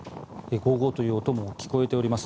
ゴーゴーという音も聞こえております。